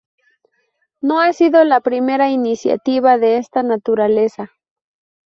No ha sido la primera iniciativa de esta naturaleza.